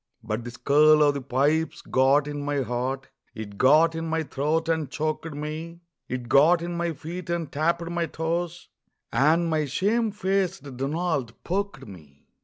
But the skirl o' the pipes got in my heart, It got in my throat and choked me, It got in my feet, and tapped my toes, And my shame faced Donald poked me.